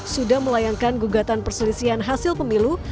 sudah melayangkan gugatan perselisihan hasil pemilu